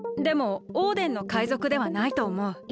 でもオーデンのかいぞくではないとおもう。